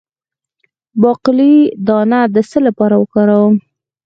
د باقلي دانه د څه لپاره وکاروم؟